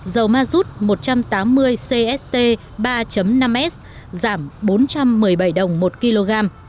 dầu mazut một trăm tám mươi cst ba năm s giảm bốn trăm một mươi bảy đồng một kg